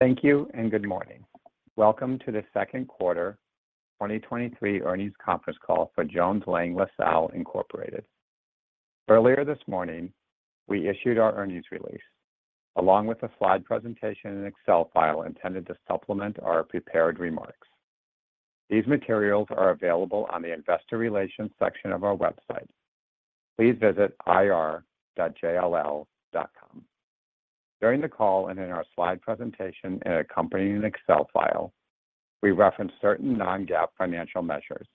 Thank you and good morning. Welcome to the Q2 2023 earnings conference call for Jones Lang LaSalle Incorporated. Earlier this morning, we issued our earnings release, along with a slide presentation and Excel file intended to supplement our prepared remarks. These materials are available on the Investor Relations section of our website. Please visit ir.jll.com. During the call and in our slide presentation and accompanying Excel file, we reference certain non-GAAP financial measures,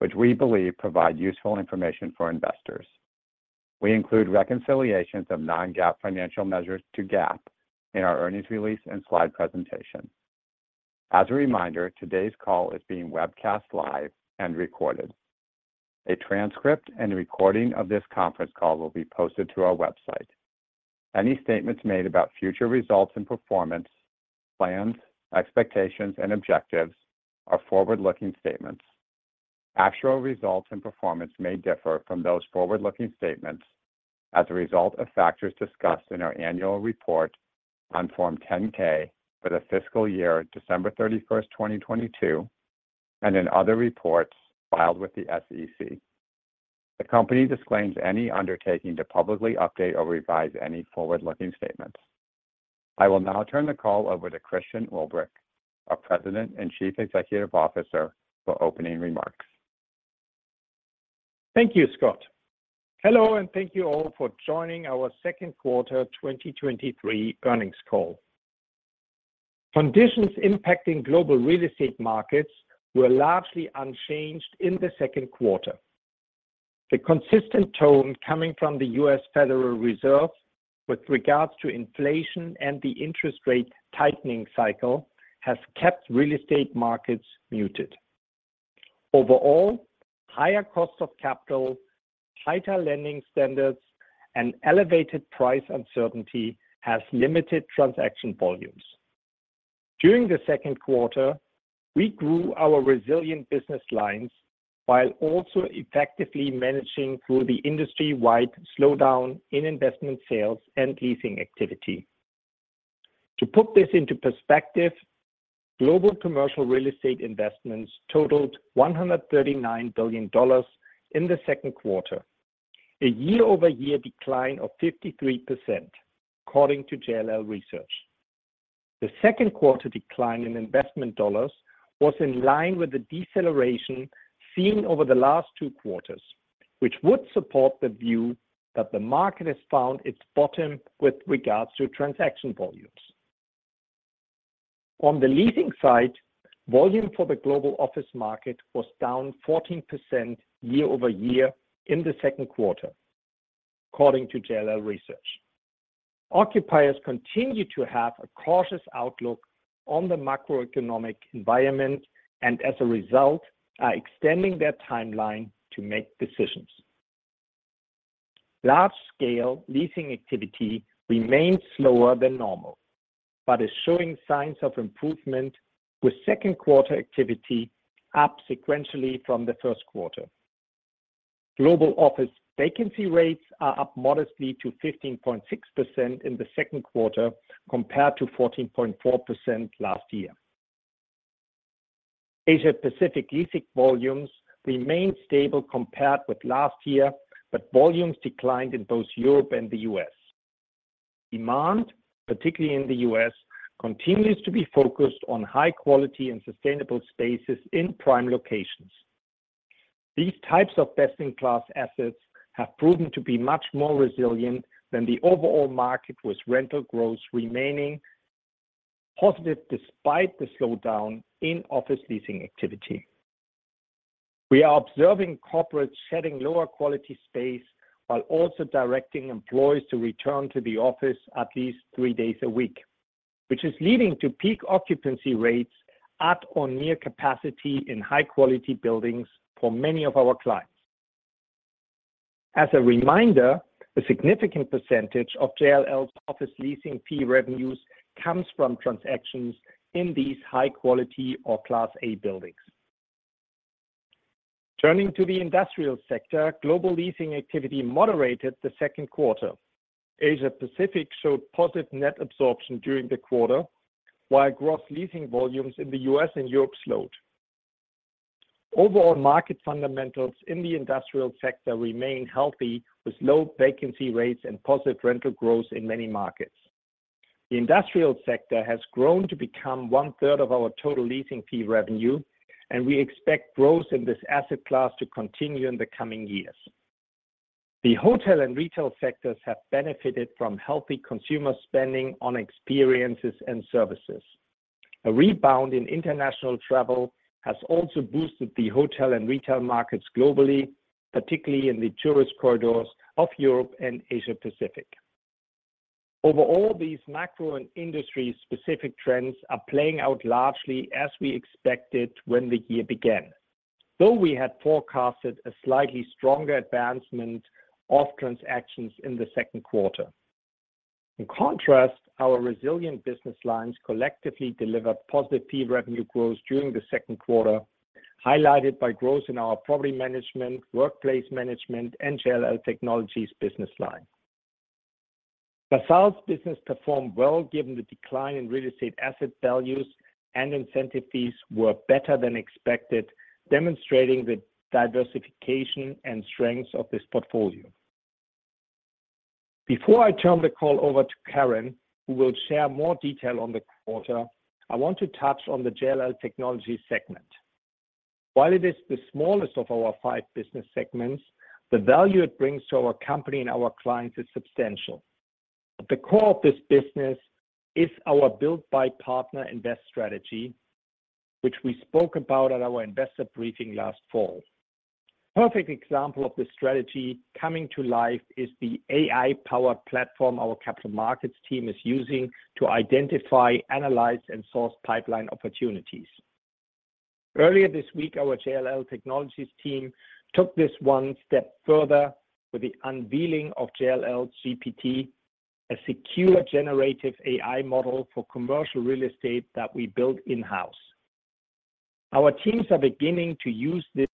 which we believe provide useful information for investors. We include reconciliations of non-GAAP financial measures to GAAP in our earnings release and slide presentation. As a reminder, today's call is being webcast live and recorded. A transcript and recording of this conference call will be posted to our website. Any statements made about future results and performance, plans, expectations, and objectives are forward-looking statements. Actual results and performance may differ from those forward-looking statements as a result of factors discussed in our annual report on Form 10-K for the fiscal year, December 31, 2022, and in other reports filed with the SEC. The company disclaims any undertaking to publicly update or revise any forward-looking statements. I will now turn the call over to Christian Ulbrich, our President and Chief Executive Officer, for opening remarks. Thank you, Scott. Hello, and thank you all for joining our Q2 2023 earnings call. Conditions impacting global real estate markets were largely unchanged in the Q2. The consistent tone coming from the Federal Reserve System with regards to inflation and the interest rate tightening cycle has kept real estate markets muted. Overall, higher cost of capital, tighter lending standards, and elevated price uncertainty has limited transaction volumes. During the Q2, we grew our resilient business lines while also effectively managing through the industry-wide slowdown in investment sales and leasing activity. To put this into perspective, global commercial real estate investments totaled $139 billion in the Q2, a year-over-year decline of 53%, according to JLL Research. The Q2 decline in investment dollars was in line with the deceleration seen over the last two quarters, which would support the view that the market has found its bottom with regards to transaction volumes. On the leasing side, volume for the global office market was down 14% year-over-year in the Q2, according to JLL Research. Occupiers continue to have a cautious outlook on the macroeconomic environment and, as a result, are extending their timeline to make decisions. Large-scale leasing activity remains slower than normal, but is showing signs of improvement, with Q2 activity up sequentially from the Q1. Global office vacancy rates are up modestly to 15.6% in the Q2, compared to 14.4% last year. Asia Pacific leasing volumes remained stable compared with last year, but volumes declined in both Europe and the US. Demand, particularly in the US, continues to be focused on high quality and sustainable spaces in prime locations. These types of best-in-class assets have proven to be much more resilient than the overall market, with rental growth remaining positive despite the slowdown in office leasing activity. We are observing corporates shedding lower quality space while also directing employees to return to the office at least three days a week, which is leading to peak occupancy rates at or near capacity in high-quality buildings for many of our clients. As a reminder, a significant % of JLL's office leasing fee revenues comes from transactions in these high quality or Class A buildings. Turning to the industrial sector, global leasing activity moderated the Q2. Asia Pacific showed positive net absorption during the quarter, while gross leasing volumes in the US and Europe slowed. Overall, market fundamentals in the industrial sector remain healthy, with low vacancy rates and positive rental growth in many markets. The industrial sector has grown to become one-third of our total leasing fee revenue, and we expect growth in this asset class to continue in the coming years. The hotel and retail sectors have benefited from healthy consumer spending on experiences and services. A rebound in international travel has also boosted the hotel and retail markets globally, particularly in the tourist corridors of Europe and Asia Pacific. Overall, these macro and industry-specific trends are playing out largely as we expected when the year began, though we had forecasted a slightly stronger advancement of transactions in the Q2. In contrast, our resilient business lines collectively delivered positive fee revenue growth during the Q2, highlighted by growth in our property management, workplace management, and JLL Technologies business line. The sales business performed well given the decline in real estate asset values, and incentive fees were better than expected, demonstrating the diversification and strengths of this portfolio. Before I turn the call over to Karen, who will share more detail on the quarter, I want to touch on the JLL Technology segment. While it is the smallest of our five business segments, the value it brings to our company and our clients is substantial. At the core of this business is our build-buy-partner-invest strategy, which we spoke about at our investor briefing last fall. Perfect example of this strategy coming to life is the AI-powered platform our capital markets team is using to identify, analyze, and source pipeline opportunities. Earlier this week, our JLL Technologies team took this one step further with the unveiling of JLL GPT, a secure generative AI model for commercial real estate that we built in-house. Our teams are beginning to use this.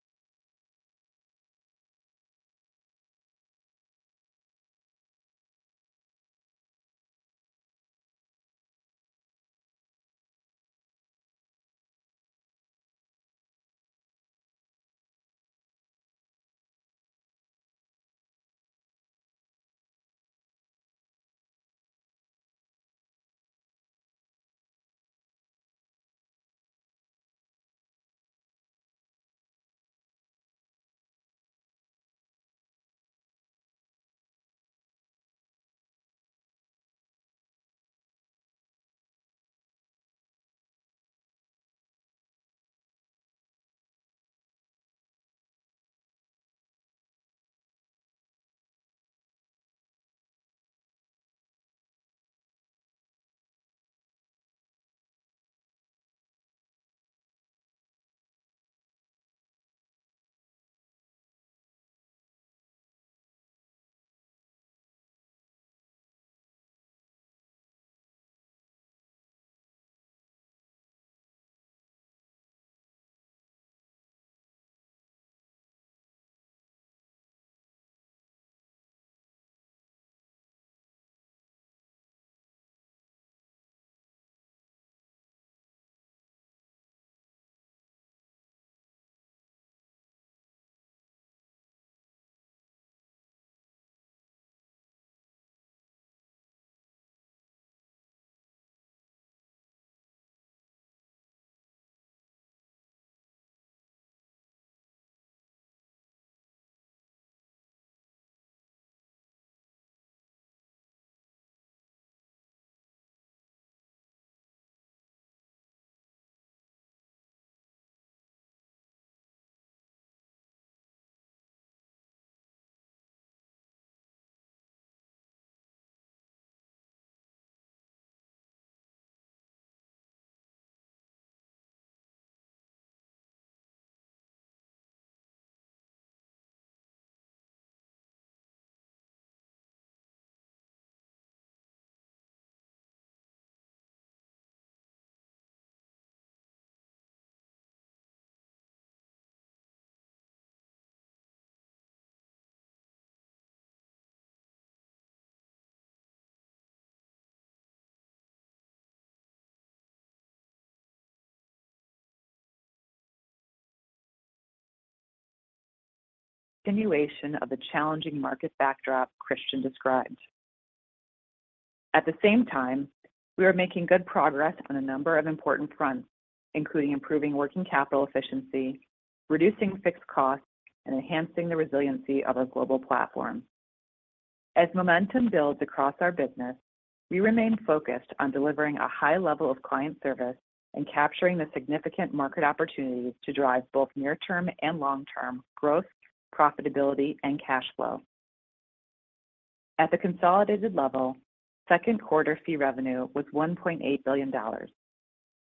Continuation of the challenging market backdrop Christian described. At the same time, we are making good progress on a number of important fronts, including improving working capital efficiency, reducing fixed costs, and enhancing the resiliency of our global platform. As momentum builds across our business, we remain focused on delivering a high level of client service and capturing the significant market opportunities to drive both near-term and long-term growth, profitability, and cash flow. At the consolidated level, Q2 fee revenue was $1.8 billion,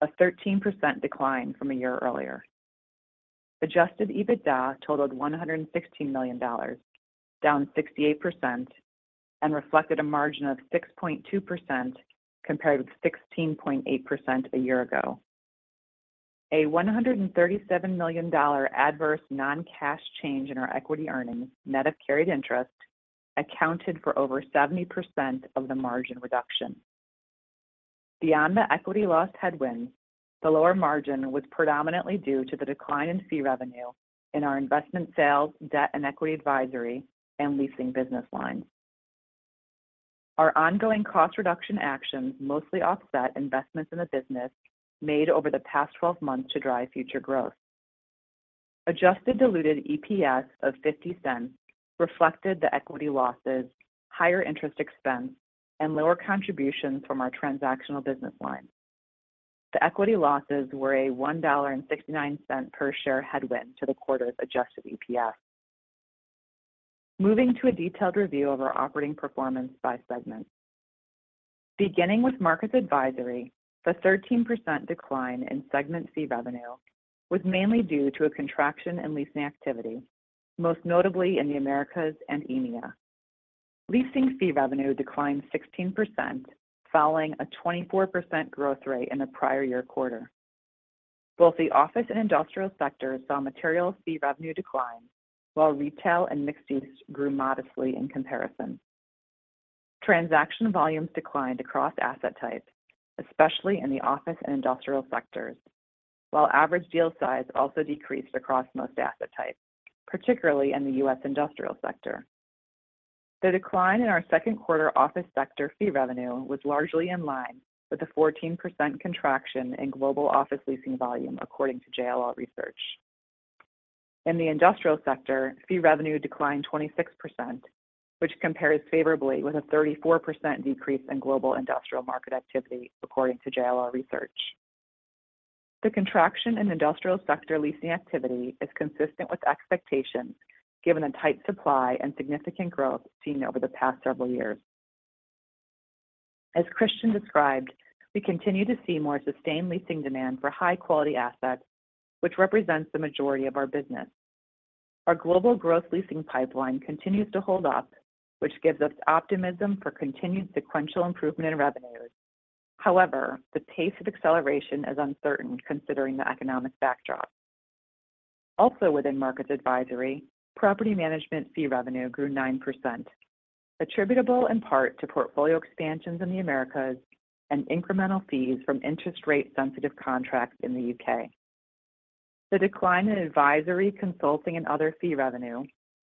a 13% decline from a year earlier. Adjusted EBITDA totaled $116 million, down 68%, reflected a margin of 6.2%, compared with 16.8% a year ago. A $137 million adverse non-cash change in our equity earnings, net of carried interest, accounted for over 70% of the margin reduction. Beyond the equity loss headwind, the lower margin was predominantly due to the decline in fee revenue in our investment sales, debt and equity advisory, and leasing business lines. Our ongoing cost reduction actions mostly offset investments in the business made over the past 12 months to drive future growth. Adjusted diluted EPS of $0.50 reflected the equity losses, higher interest expense, and lower contributions from our transactional business lines. The equity losses were a $1.69 per share headwind to the quarter's Adjusted EPS. Moving to a detailed review of our operating performance by segment. Beginning with Markets Advisory, the 13% decline in segment fee revenue was mainly due to a contraction in leasing activity, most notably in the Americas and EMEA. Leasing fee revenue declined 16%, following a 24% growth rate in the prior year quarter. Both the office and industrial sectors saw material fee revenue decline, while retail and mixed use grew modestly in comparison. Transaction volumes declined across asset types, especially in the office and industrial sectors, while average deal size also decreased across most asset types, particularly in the US industrial sector. The decline in our Q2 office sector fee revenue was largely in line with the 14% contraction in global office leasing volume, according to JLL Research. In the industrial sector, fee revenue declined 26%, which compares favorably with a 34% decrease in global industrial market activity, according to JLL Research. The contraction in industrial sector leasing activity is consistent with expectations, given the tight supply and significant growth seen over the past several years. As Christian described, we continue to see more sustained leasing demand for high-quality assets, which represents the majority of our business. Our global growth leasing pipeline continues to hold up, which gives us optimism for continued sequential improvement in revenues. However, the pace of acceleration is uncertain considering the economic backdrop. Also, within Markets Advisory, property management fee revenue grew 9%, attributable in part to portfolio expansions in the Americas and incremental fees from interest rate-sensitive contracts in the UK. The decline in advisory, consulting, and other fee revenue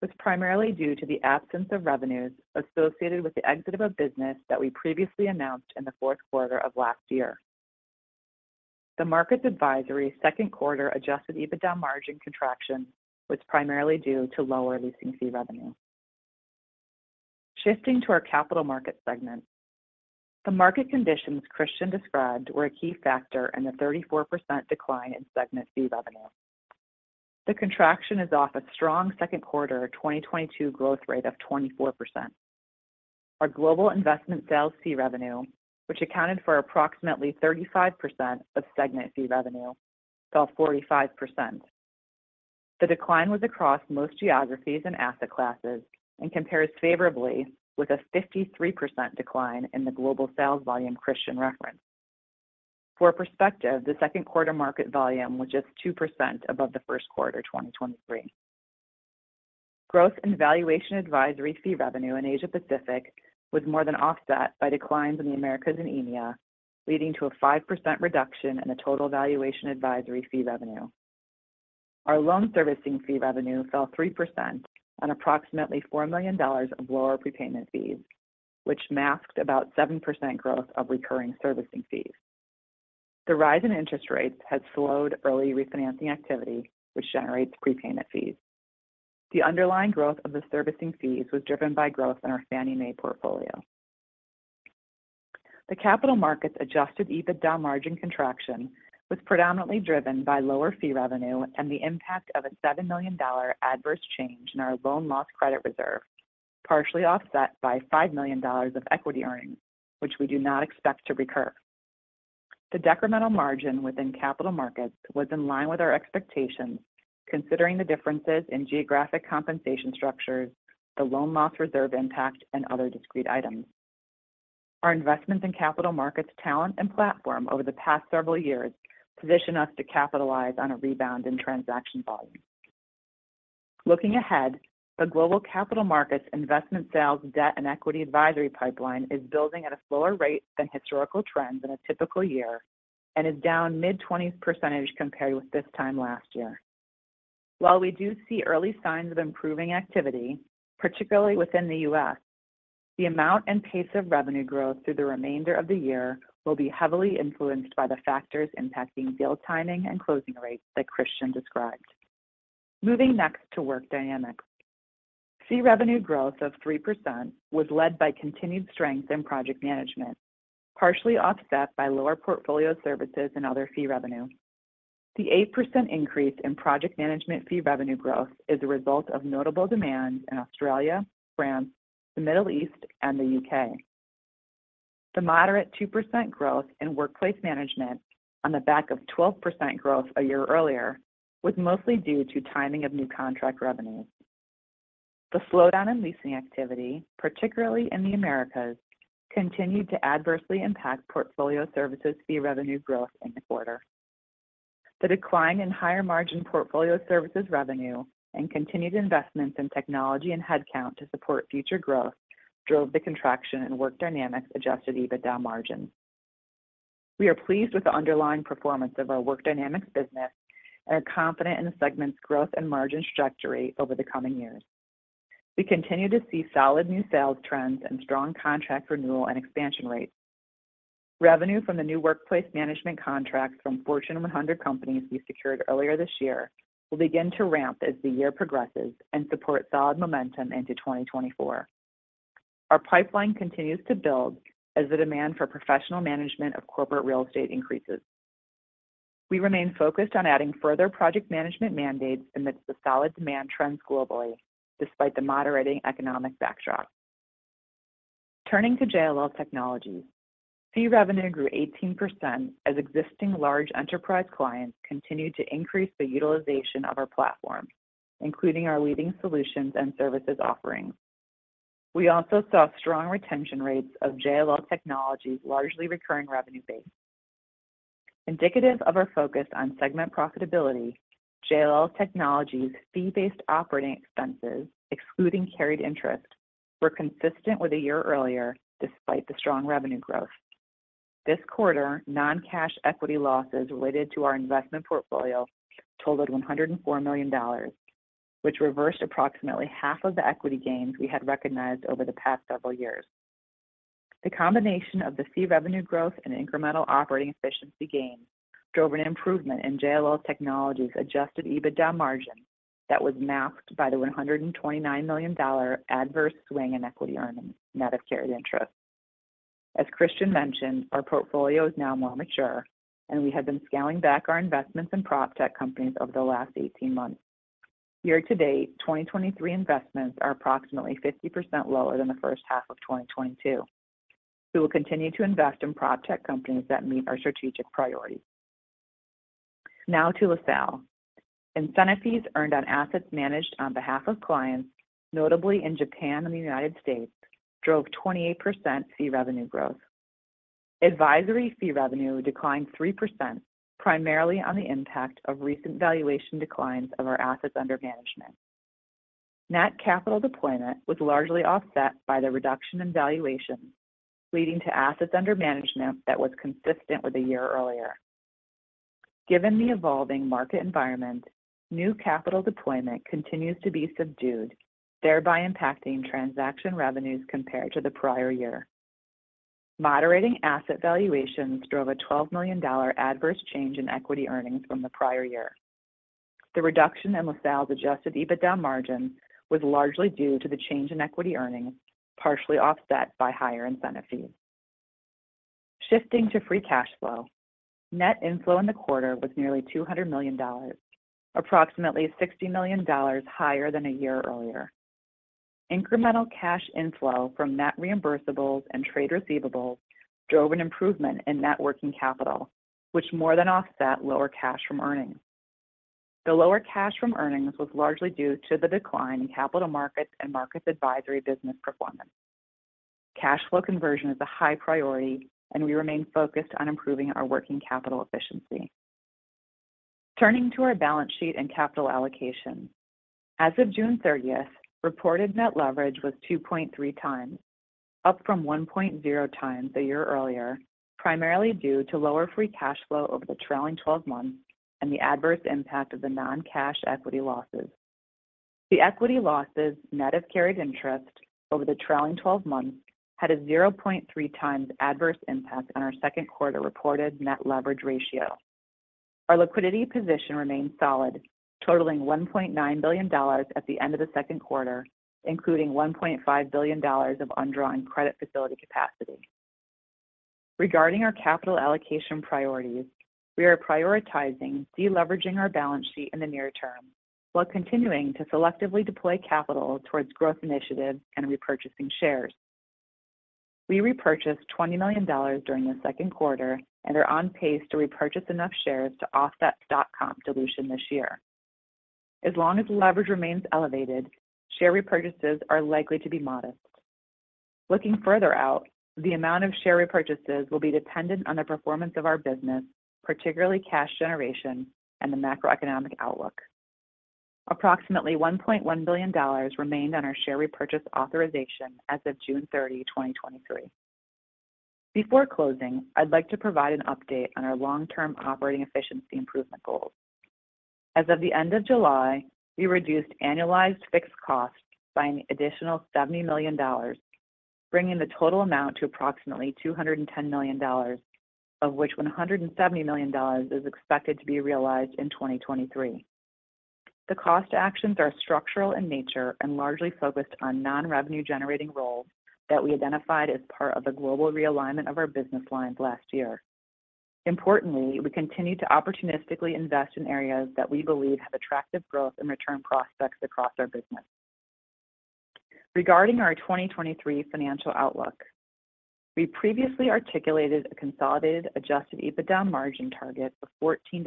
was primarily due to the absence of revenues associated with the exit of a business that we previously announced in the Q4 of last year. The Markets Advisory Q2 Adjusted EBITDA margin contraction was primarily due to lower leasing fee revenue. Shifting to our Capital Markets segment, the market conditions Christian described were a key factor in the 34% decline in segment fee revenue. The contraction is off a strong Q2 2022 growth rate of 24%. Our global investment sales fee revenue, which accounted for approximately 35% of segment fee revenue, fell 45%. The decline was across most geographies and asset classes and compares favorably with a 53% decline in the global sales volume Christian referenced. For perspective, the Q2 market volume was just 2% above the Q1 2023. Growth in valuation advisory fee revenue in Asia Pacific was more than offset by declines in the Americas and EMEA, leading to a 5% reduction in the total valuation advisory fee revenue. Our loan servicing fee revenue fell 3% on approximately $4 million of lower prepayment fees, which masked about 7% growth of recurring servicing fees. The rise in interest rates has slowed early refinancing activity, which generates prepayment fees. The underlying growth of the servicing fees was driven by growth in our Fannie Mae portfolio. The Capital Markets Adjusted EBITDA margin contraction was predominantly driven by lower fee revenue and the impact of a $7 million adverse change in our loan loss credit reserve, partially offset by $5 million of equity earnings, which we do not expect to recur. The decremental margin within Capital Markets was in line with our expectations, considering the differences in geographic compensation structures, the loan loss reserve impact, and other discrete items. Our investments in Capital Markets, talent, and platform over the past several years position us to capitalize on a rebound in transaction volume. Looking ahead, the global Capital Markets investment, sales, debt, and equity advisory pipeline is building at a slower rate than historical trends in a typical year and is down mid-20s% compared with this time last year. While we do see early signs of improving activity, particularly within the US, the amount and pace of revenue growth through the remainder of the year will be heavily influenced by the factors impacting deal timing and closing rates that Christian described. Moving next to Work Dynamics. Fee revenue growth of 3% was led by continued strength in project management, partially offset by lower Portfolio Services and other fee revenue. The 8% increase in project management fee revenue growth is a result of notable demand in Australia, France, the Middle East, and the UK. The moderate 2% growth in workplace management on the back of 12% growth a year earlier was mostly due to timing of new contract revenues. The slowdown in leasing activity, particularly in the Americas, continued to adversely impact Portfolio Services fee revenue growth in the quarter. The decline in higher-margin Portfolio Services revenue and continued investments in technology and headcount to support future growth drove the contraction in Work Dynamics Adjusted EBITDA margins. We are pleased with the underlying performance of our Work Dynamics business and are confident in the segment's growth and margin trajectory over the coming years. We continue to see solid new sales trends and strong contract renewal and expansion rates. Revenue from the new workplace management contracts from Fortune 100 companies we secured earlier this year will begin to ramp as the year progresses and support solid momentum into 2024. Our pipeline continues to build as the demand for professional management of corporate real estate increases. We remain focused on adding further project management mandates amidst the solid demand trends globally, despite the moderating economic backdrop. Turning to JLL Technologies, fee revenue grew 18% as existing large enterprise clients continued to increase the utilization of our platforms, including our leading solutions and services offerings. We also saw strong retention rates of JLL Technologies' largely recurring revenue base. Indicative of our focus on segment profitability, JLL Technologies' fee-based operating expenses, excluding carried interest, were consistent with a year earlier, despite the strong revenue growth. This quarter, non-cash equity losses related to our investment portfolio totaled $104 million, which reversed approximately half of the equity gains we had recognized over the past several years. The combination of the fee revenue growth and incremental operating efficiency gains drove an improvement in JLL Technologies' Adjusted EBITDA margin that was masked by the $129 million adverse swing in equity earnings, net of carried interest. As Christian mentioned, our portfolio is now more mature, and we have been scaling back our investments in PropTech companies over the last 18 months. Year to date, 2023 investments are approximately 50% lower than the first half of 2022. We will continue to invest in PropTech companies that meet our strategic priorities. Now to LaSalle. Incentive fees earned on assets managed on behalf of clients, notably in Japan and the United States, drove 28% fee revenue growth. Advisory fee revenue declined 3%, primarily on the impact of recent valuation declines of our assets under management. Net capital deployment was largely offset by the reduction in valuations, leading to assets under management that was consistent with a year earlier. Given the evolving market environment, new capital deployment continues to be subdued, thereby impacting transaction revenues compared to the prior year. Moderating asset valuations drove a $12 million adverse change in equity earnings from the prior year. The reduction in LaSalle's Adjusted EBITDA margin was largely due to the change in equity earnings, partially offset by higher incentive fees. Shifting to free cash flow, net inflow in the quarter was nearly $200 million, approximately $60 million higher than a year earlier. Incremental cash inflow from net reimbursables and trade receivables drove an improvement in net working capital, which more than offset lower cash from earnings. The lower cash from earnings was largely due to the decline in Capital Markets and Markets Advisory business performance. Cash flow conversion is a high priority, and we remain focused on improving our working capital efficiency. Turning to our balance sheet and capital allocation. As of June 30th, reported net leverage was 2.3 times, up from 1.0 times a year earlier, primarily due to lower free cash flow over the trailing 12 months and the adverse impact of the non-cash equity losses. The equity losses, net of carried interest over the trailing 12 months, had a 0.3 times adverse impact on our Q2 reported net leverage ratio. Our liquidity position remains solid, totaling $1.9 billion at the end of the Q2, including $1.5 billion of undrawn credit facility capacity. Regarding our capital allocation priorities, we are prioritizing de-leveraging our balance sheet in the near term, while continuing to selectively deploy capital towards growth initiatives and repurchasing shares. We repurchased $20 million during the Q2 and are on pace to repurchase enough shares to offset stock-comp dilution this year. As long as leverage remains elevated, share repurchases are likely to be modest. Looking further out, the amount of share repurchases will be dependent on the performance of our business, particularly cash generation and the macroeconomic outlook. Approximately $1.1 billion remained on our share repurchase authorization as of June 30, 2023. Before closing, I'd like to provide an update on our long-term operating efficiency improvement goals. As of the end of July, we reduced annualized fixed costs by an additional $70 million, bringing the total amount to approximately $210 million, of which $170 million is expected to be realized in 2023. The cost actions are structural in nature and largely focused on non-revenue generating roles that we identified as part of the global realignment of our business lines last year. Importantly, we continue to opportunistically invest in areas that we believe have attractive growth and return prospects across our business. Regarding our 2023 financial outlook, we previously articulated a consolidated Adjusted EBITDA margin target of 14%-16%,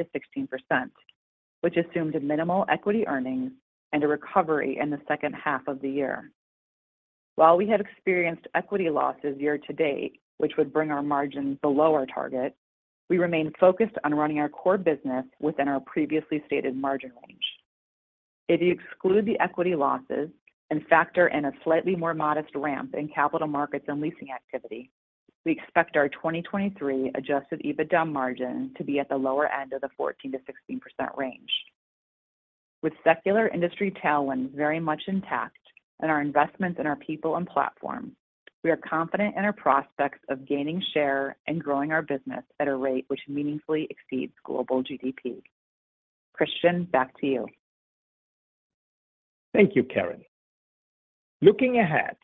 which assumed minimal equity earnings and a recovery in the second half of the year. While we have experienced equity losses year to date, which would bring our margins below our target, we remain focused on running our core business within our previously stated margin range. If you exclude the equity losses and factor in a slightly more modest ramp in Capital Markets and leasing activity, we expect our 2023 Adjusted EBITDA margin to be at the lower end of the 14%-16% range. With secular industry tailwinds very much intact and our investments in our people and platforms, we are confident in our prospects of gaining share and growing our business at a rate which meaningfully exceeds global GDP. Christian, back to you. Thank you, Karen. Looking ahead,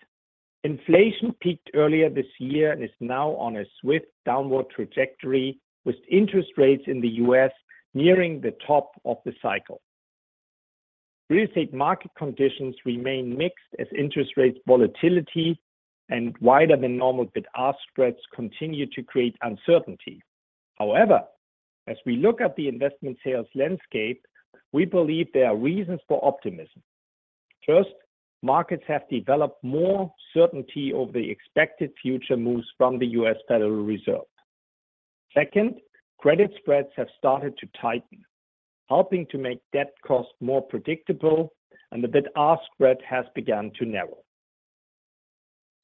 inflation peaked earlier this year and is now on a swift downward trajectory, with interest rates in the U.S. nearing the top of the cycle. Real estate market conditions remain mixed as interest rates volatility and wider than normal bid-ask spreads continue to create uncertainty. However, as we look at the investment sales landscape, we believe there are reasons for optimism. First, markets have developed more certainty over the expected future moves from the Federal Reserve System. Second, credit spreads have started to tighten, helping to make debt costs more predictable, and the bid-ask spread has begun to narrow.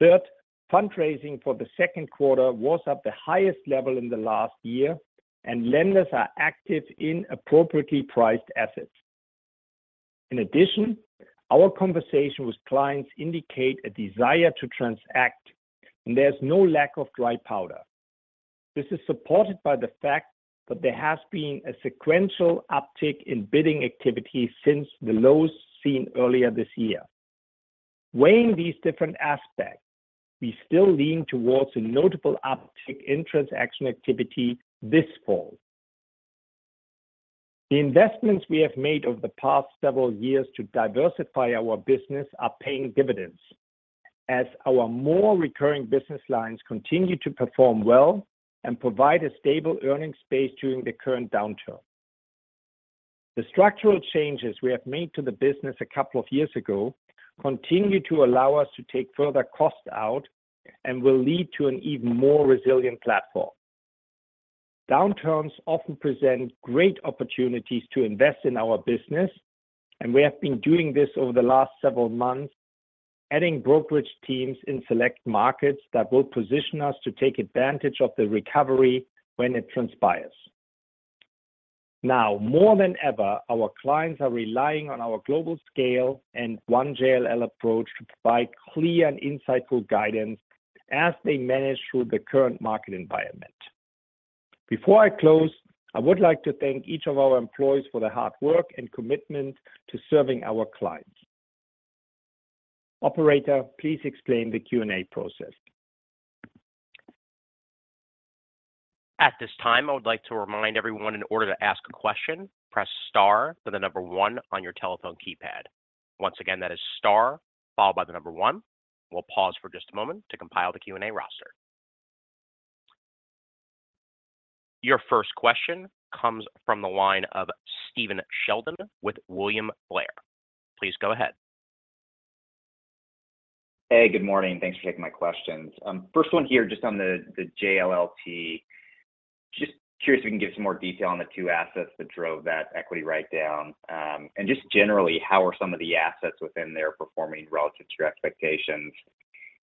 Third, fundraising for the Q2 was at the highest level in the last year, and lenders are active in appropriately priced assets. In addition, our conversation with clients indicate a desire to transact, and there's no lack of dry powder. This is supported by the fact that there has been a sequential uptick in bidding activity since the lows seen earlier this year. Weighing these different aspects, we still lean towards a notable uptick in transaction activity this fall. The investments we have made over the past several years to diversify our business are paying dividends, as our more recurring business lines continue to perform well and provide a stable earning space during the current downturn. The structural changes we have made to the business a couple of years ago continue to allow us to take further costs out and will lead to an even more resilient platform. Downturns often present great opportunities to invest in our business, and we have been doing this over the last several months, adding brokerage teams in select markets that will position us to take advantage of the recovery when it transpires. Now, more than ever, our clients are relying on our global scale and One JLL approach to provide clear and insightful guidance as they manage through the current market environment. Before I close, I would like to thank each of our employees for their hard work and commitment to serving our clients. Operator, please explain the Q&A process. At this time, I would like to remind everyone in order to ask a question, press star, then the number one on your telephone keypad. Once again, that is star followed by the number one. We'll pause for just a moment to compile the Q&A roster. Your first question comes from the line of Stephen Sheldon with William Blair. Please go ahead. Hey, good morning. Thanks for taking my questions. First one here, just on the, the JLLT. Just curious if you can give some more detail on the two assets that drove that equity write down. Just generally, how are some of the assets within there performing relative to your expectations?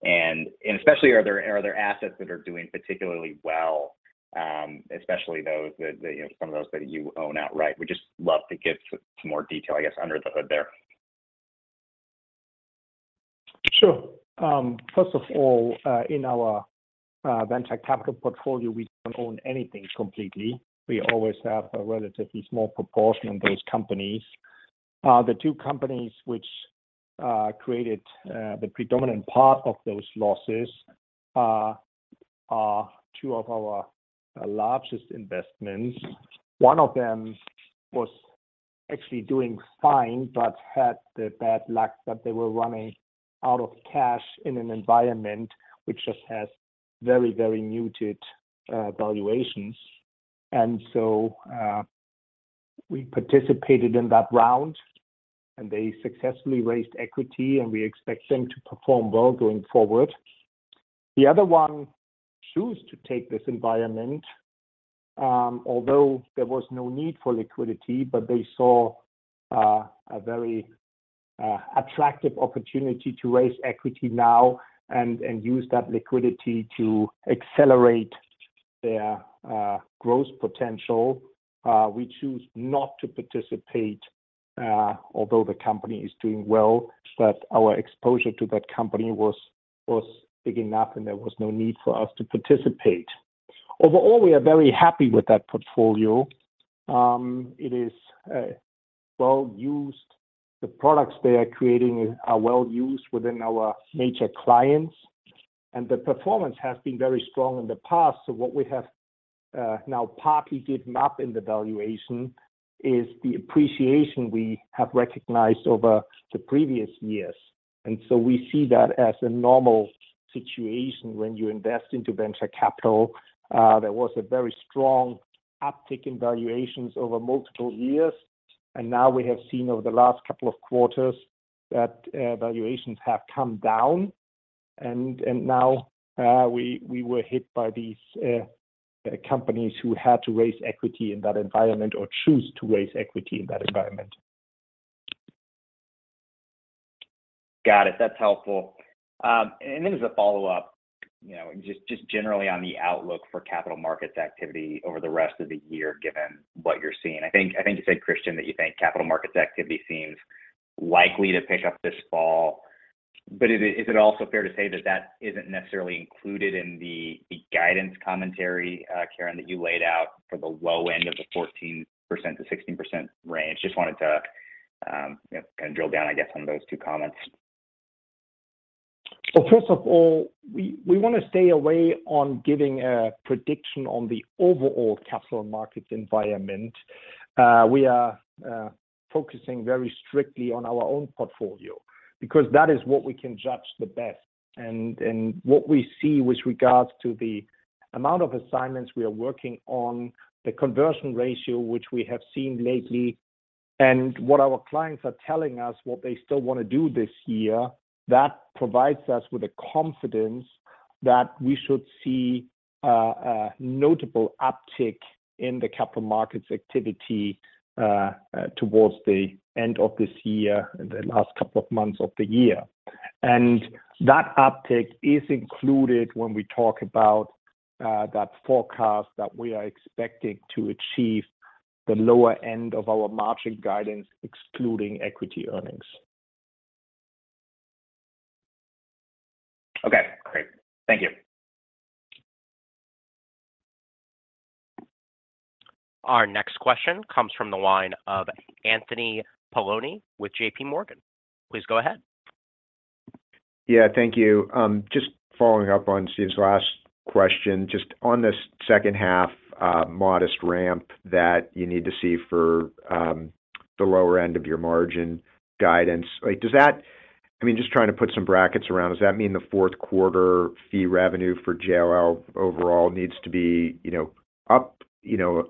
Especially, are there, are there assets that are doing particularly well, especially those that, the, you know, some of those that you own outright? We'd just love to get some more detail, I guess, under the hood there. Sure. First of all, in our venture capital portfolio, we don't own anything completely. We always have a relatively small proportion of those companies. The 2 companies which created the predominant part of those losses are 2 of our largest investments. One of them was actually doing fine, but had the bad luck that they were running out of cash in an environment which just has very, very muted valuations. We participated in that round, and they successfully raised equity, and we expect them to perform well going forward. The other one chose to take this environment, although there was no need for liquidity, but they saw a very attractive opportunity to raise equity now and use that liquidity to accelerate their growth potential. We choose not to participate, although the company is doing well, our exposure to that company was, was big enough, and there was no need for us to participate. Overall, we are very happy with that portfolio. It is well used. The products they are creating are well used within our major clients, and the performance has been very strong in the past. What we have now partly given up in the valuation is the appreciation we have recognized over the previous years. We see that as a normal situation when you invest into venture capital. There was a very strong uptick in valuations over multiple years, and now we have seen over the last couple of quarters that valuations have come down, and, and now, we, we were hit by these companies who had to raise equity in that environment or choose to raise equity in that environment. Got it. That's helpful. Then as a follow-up, you know, just, just generally on the outlook for Capital Markets activity over the rest of the year, given what you're seeing. I think, I think you said, Christian, that you think Capital Markets activity seems likely to pick up this fall. Is it, is it also fair to say that that isn't necessarily included in the, the guidance commentary, Karen, that you laid out for the low end of the 14%-16% range? Just wanted to, you know, kind of drill down, I guess, on those two comments. First of all, we wanna stay away on giving a prediction on the overall capital markets environment. We are focusing very strictly on our own portfolio because that is what we can judge the best. What we see with regards to the amount of assignments we are working on, the conversion ratio, which we have seen lately, and what our clients are telling us, what they still wanna do this year, that provides us with the confidence that we should see a notable uptick in the capital markets activity towards the end of this year, in the last couple of months of the year. That uptick is included when we talk about that forecast that we are expecting to achieve the lower end of our margin guidance, excluding equity earnings. Okay, great. Thank you. Our next question comes from the line of Anthony Paolone with JPMorgan. Please go ahead. Yeah, thank you. Just following up on Steve's last question, just on this second half, modest ramp that you need to see for the lower end of your margin guidance. Like, I mean, just trying to put some brackets around, does that mean the Q4 fee revenue for JLL overall needs to be, you know, up, you know,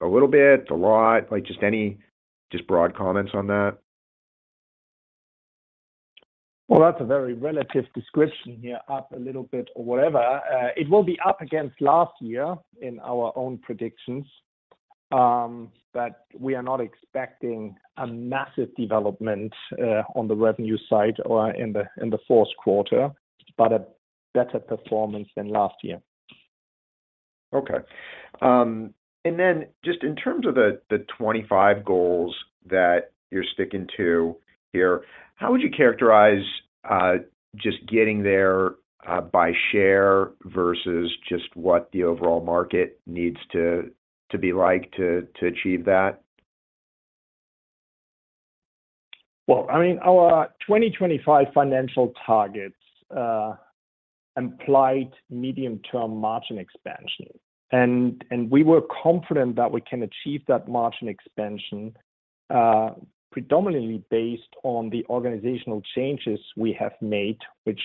a little bit? A lot? Like, just any, just broad comments on that. Well, that's a very relative description here, up a little bit or whatever. It will be up against last year in our own predictions, but we are not expecting a massive development, on the revenue side or in the, in the Q4, but a better performance than last year. Okay. Then just in terms of the, the 25 goals that you're sticking to here, how would you characterize, just getting there, by share versus just what the overall market needs to, to be like to, to achieve that? Well, I mean, our 2025 financial targets implied medium-term margin expansion. And we were confident that we can achieve that margin expansion predominantly based on the organizational changes we have made, which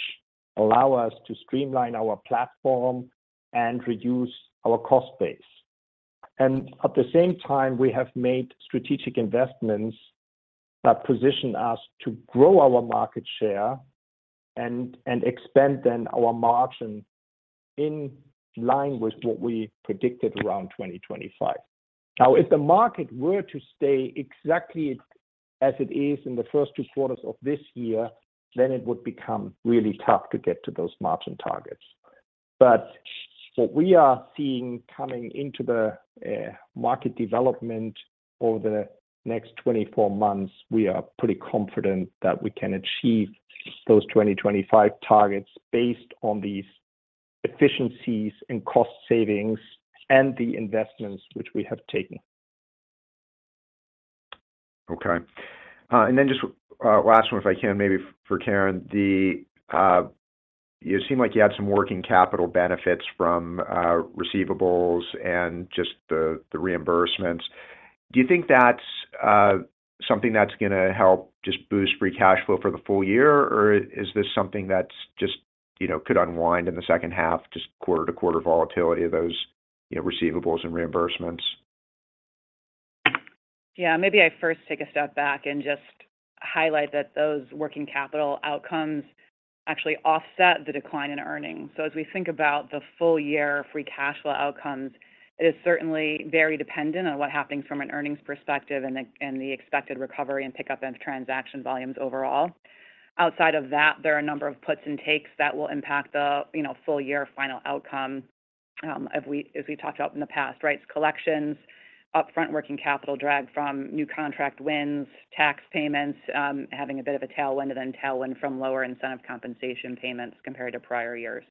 allow us to streamline our platform and reduce our cost base. At the same time, we have made strategic investments that position us to grow our market share and expand then our margin in line with what we predicted around 2025. If the market were to stay exactly as it is in the first two quarters of this year, then it would become really tough to get to those margin targets. What we are seeing coming into the market development over the next 24 months, we are pretty confident that we can achieve those 2025 targets based on these efficiencies and cost savings and the investments which we have taken. Okay. Just, last one, if I can, maybe for Karen. You seem like you had some working capital benefits from receivables and just the reimbursements. Do you think that's something that's gonna help just boost free cash flow for the full year? Or is this something that's just, you know, could unwind in the 2nd half, just quarter-to-quarter volatility of those, you know, receivables and reimbursements? Yeah, maybe I first take a step back and just highlight that those working capital outcomes actually offset the decline in earnings. As we think about the full year free cash flow outcomes, it is certainly very dependent on what happens from an earnings perspective and the, and the expected recovery and pickup in transaction volumes overall. Outside of that, there are a number of puts and takes that will impact the, you know, full year final outcome, as we talked about in the past, rights collections, upfront working capital drag from new contract wins, tax payments, having a bit of a tailwind and then tailwind from lower incentive compensation payments compared to prior years.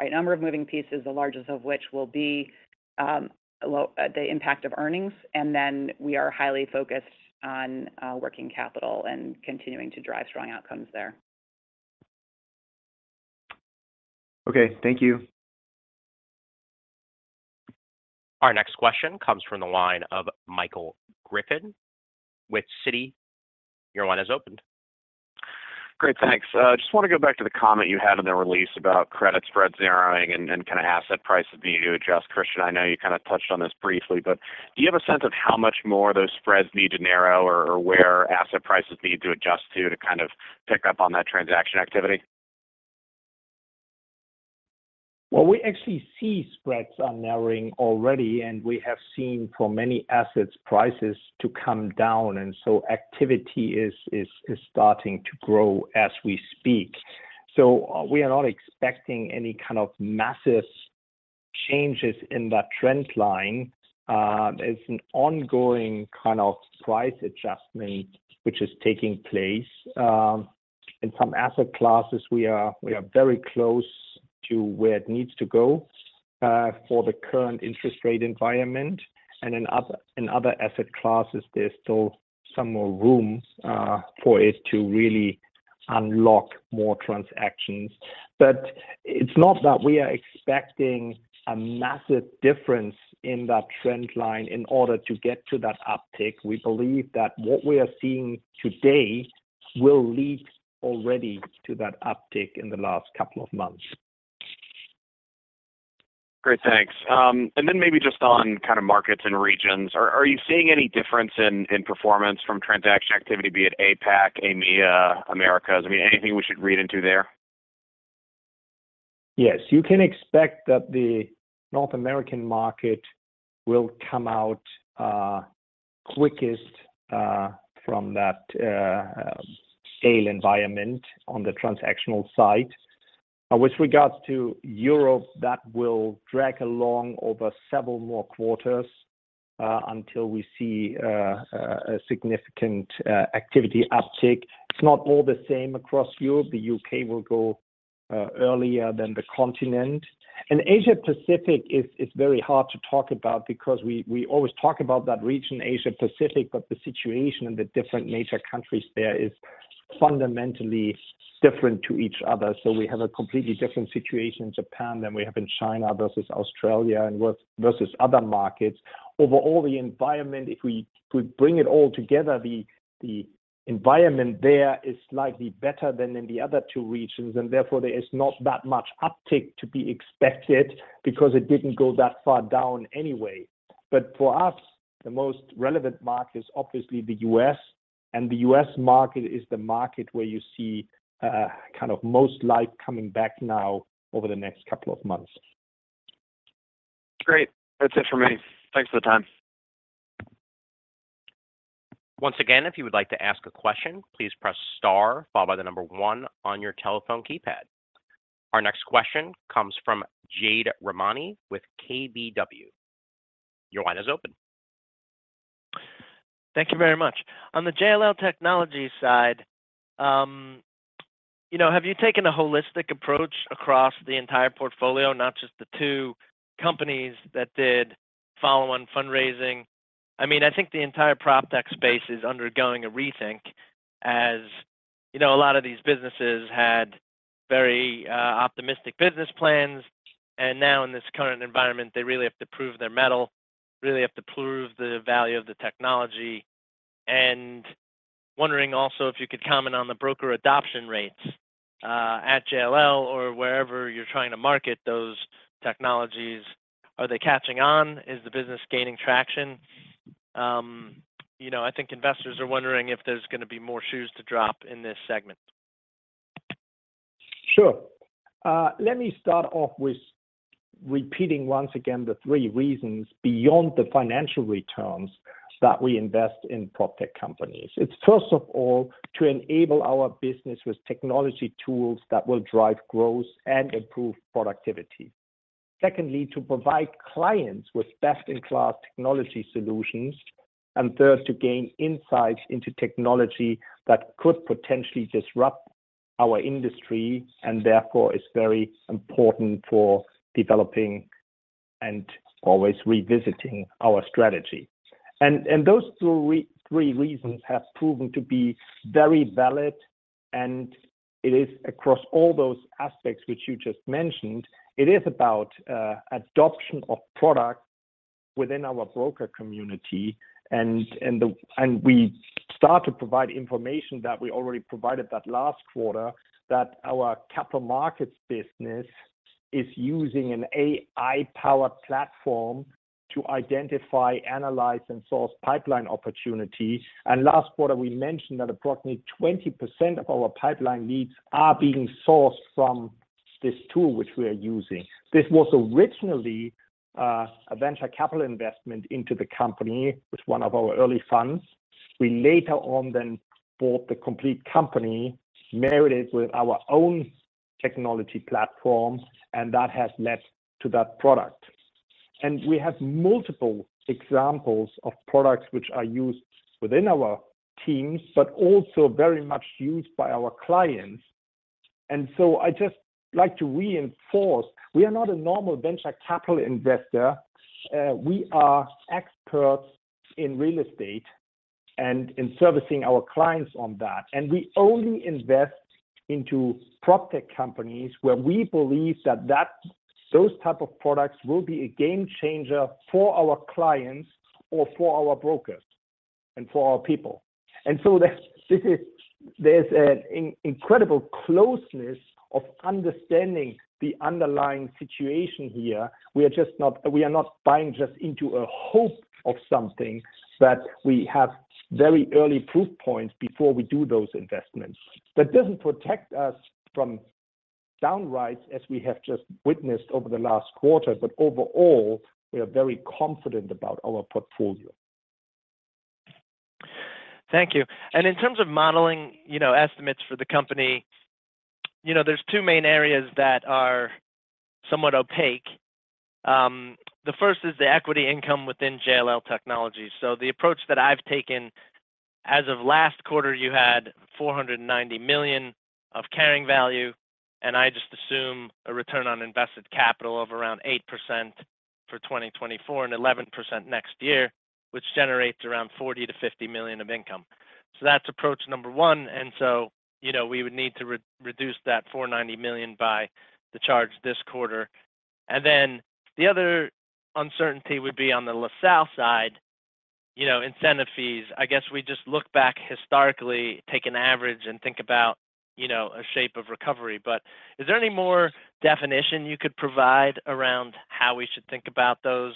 Right number of moving pieces, the largest of which will be the impact of earnings, and then we are highly focused on working capital and continuing to drive strong outcomes there. Okay, thank you. Our next question comes from the line of Michael Griffin with Citi. Your line is open. Great, thanks. Just want to go back to the comment you had in the release about credit spread narrowing and kind of asset prices needing to adjust. Christian, I know you kind of touched on this briefly, do you have a sense of how much more those spreads need to narrow or where asset prices need to adjust to kind of pick up on that transaction activity? Well, we actually see spreads are narrowing already, and we have seen for many assets, prices to come down. Activity is, is, is starting to grow as we speak. We are not expecting any kind of massive changes in that trend line. It's an ongoing kind of price adjustment which is taking place. In some asset classes, we are, we are very close to where it needs to go for the current interest rate environment. In other, in other asset classes, there's still some more room for it to really unlock more transactions. It's not that we are expecting a massive difference in that trend line in order to get to that uptick. We believe that what we are seeing today will lead already to that uptick in the last couple of months. Great, thanks. Maybe just on kind of markets and regions, are, are you seeing any difference in, in performance from transaction activity, be it APAC, EMEA, Americas? I mean, anything we should read into there? Yes. You can expect that the North American market will come out quickest from that sale environment on the transactional side. With regards to Europe, that will drag along over several more quarters until we see a significant activity uptick. It's not all the same across Europe. The UK will go earlier than the continent. Asia Pacific is, is very hard to talk about because we, we always talk about that region, Asia Pacific, but the situation and the different nature countries there is fundamentally different to each other. We have a completely different situation in Japan than we have in China versus Australia and versus other markets. Overall, the environment, if we could bring it all together, the, the environment there is slightly better than in the other two regions, and therefore, there is not that much uptick to be expected because it didn't go that far down anyway. For us, the most relevant market is obviously the US, and the US market is the market where you see, kind of most life coming back now over the next couple of months. Great. That's it for me. Thanks for the time. Once again, if you would like to ask a question, please press star followed by the number one on your telephone keypad. Our next question comes from Jade Rahmani with KBW. Your line is open. Thank you very much. On the JLL Technologies side, you know, have you taken a holistic approach across the entire portfolio, not just the two companies that did follow on fundraising? I mean, I think the entire PropTech space is undergoing a rethink, as, you know, a lot of these businesses had very optimistic business plans, and now in this current environment, they really have to prove their mettle, really have to prove the value of the technology. Wondering also if you could comment on the broker adoption rates at JLL or wherever you're trying to market those technologies. Are they catching on? Is the business gaining traction? You know, I think investors are wondering if there's gonna be more shoes to drop in this segment. Sure. Let me start off with repeating once again the three reasons beyond the financial returns that we invest in PropTech companies. It's first of all, to enable our business with technology tools that will drive growth and improve productivity. Secondly, to provide clients with best-in-class technology solutions. Third, to gain insights into technology that could potentially disrupt our industry, and therefore, is very important for developing and always revisiting our strategy. Those three, three reasons have proven to be very valid, and it is across all those aspects which you just mentioned. It is about adoption of product within our broker community, and we start to provide information that we already provided that last quarter, that our Capital Markets business is using an AI-powered platform to identify, analyze, and source pipeline opportunities. Last quarter, we mentioned that approximately 20% of our pipeline leads are being sourced from this tool, which we are using. This was originally a venture capital investment into the company with one of our early funds. We later on then bought the complete company, married it with our own technology platform, and that has led to that product. We have multiple examples of products which are used within our teams, but also very much used by our clients. I just like to reinforce, we are not a normal venture capital investor. We are experts in real estate and in servicing our clients on that. We only invest into PropTech companies where we believe that those type of products will be a game changer for our clients or for our brokers and for our people. There's an incredible closeness of understanding the underlying situation here. We are just not buying just into a hope of something, that we have very early proof points before we do those investments. That doesn't protect us from downdrafts, as we have just witnessed over the last quarter, overall, we are very confident about our portfolio. Thank you. In terms of modeling, you know, estimates for the company, you know, there's two main areas that are somewhat opaque. The first is the equity income within JLL Technologies. The approach that I've taken, as of last quarter, you had $490 million of carrying value, and I just assume a return on invested capital of around 8% for 2024, and 11% next year, which generates around $40 million-$50 million of income. That's approach number one, and, you know, we would need to re-reduce that $490 million by the charge this quarter. Then the other uncertainty would be on the LaSalle side, you know, incentive fees. I guess we just look back historically, take an average, and think about, you know, a shape of recovery. Is there any more definition you could provide around how we should think about those,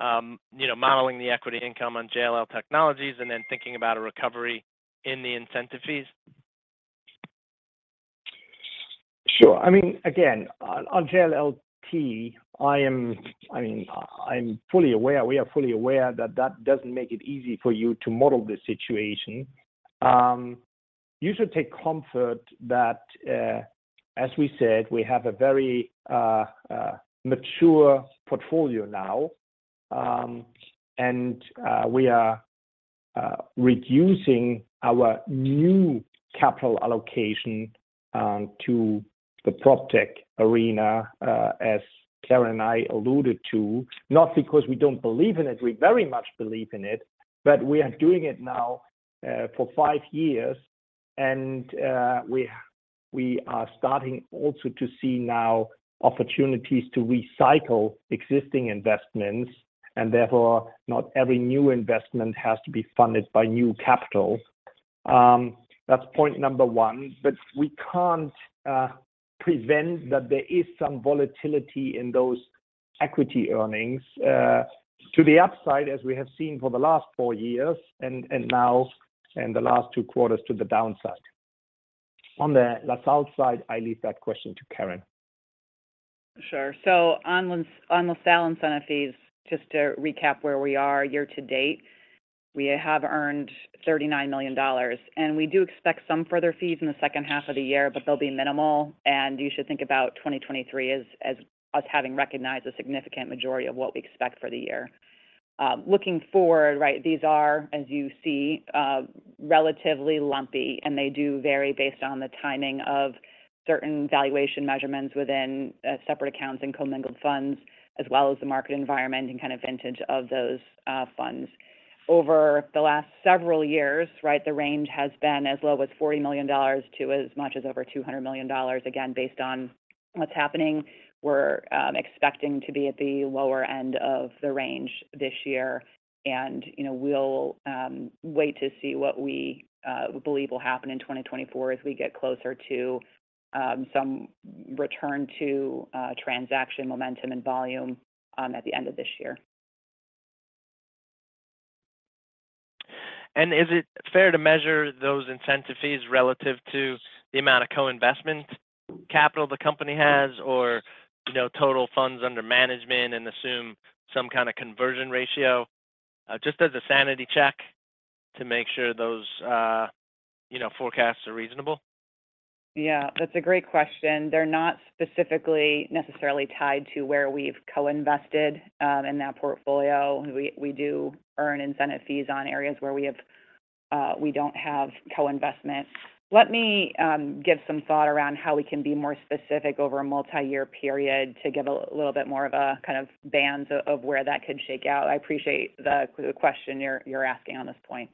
you know, modeling the equity income on JLL Technologies, and then thinking about a recovery in the incentive fees? Sure. I mean, again, on, on JLLT, I'm fully aware, we are fully aware that that doesn't make it easy for you to model the situation. You should take comfort that, as we said, we have a very mature portfolio now. We are reducing our new capital allocation to the PropTech arena, as Karen and I alluded to, not because we don't believe in it, we very much believe in it, but we are doing it now for five years. We, we are starting also to see now opportunities to recycle existing investments, and therefore, not every new investment has to be funded by new capital. That's point number one. We can't prevent that there is some volatility in those equity earnings to the upside, as we have seen for the last four years, and now in the last two quarters to the downside. On the LaSalle side, I leave that question to Karen. Sure. On the, on LaSalle incentive fees, just to recap where we are year to date, we have earned $39 million, and we do expect some further fees in the second half of the year, but they'll be minimal, and you should think about 2023 as, as us having recognized a significant majority of what we expect for the year. Looking forward, right, these are, as you see, relatively lumpy, and they do vary based on the timing of certain valuation measurements within separate accounts and commingled funds, as well as the market environment and kind of vintage of those funds. Over the last several years, right, the range has been as low as $40 million to as much as over $200 million, again, based on what's happening. We're expecting to be at the lower end of the range this year, and, you know, we'll wait to see what we believe will happen in 2024 as we get closer to some return to transaction, momentum, and volume at the end of this year. Is it fair to measure those incentive fees relative to the amount of co-investment capital the company has, or, you know, total funds under management, and assume some kind of conversion ratio, just as a sanity check to make sure those, you know, forecasts are reasonable? Yeah, that's a great question. They're not specifically necessarily tied to where we've co-invested, in that portfolio. We, we do earn incentive fees on areas where we have... we don't have co-investment. Let me give some thought around how we can be more specific over a multi-year period to give a little bit more of a kind of band of where that could shake out. I appreciate the, the question you're, you're asking on this point.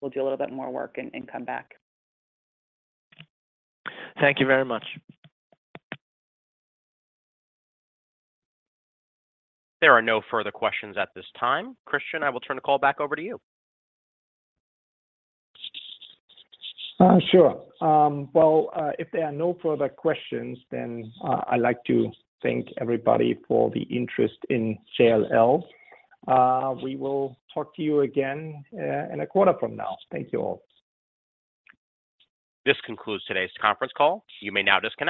We'll do a little bit more work and, and come back. Thank you very much. There are no further questions at this time. Christian, I will turn the call back over to you. Sure. Well, if there are no further questions, I'd like to thank everybody for the interest in JLL. We will talk to you again, in a quarter from now. Thank you all. This concludes today's conference call. You may now disconnect.